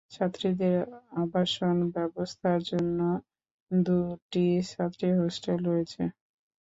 ছাত্রীদের আবাসন ব্যবস্থার জন্য দু'টি ছাত্রী হোস্টেল রয়েছে।